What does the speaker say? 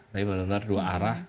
tapi benar benar dua arah